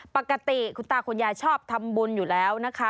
ปกติคุณตาคุณยายชอบทำบุญอยู่แล้วนะคะ